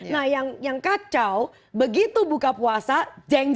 nah yang kacau begitu buka puasa jeng jeng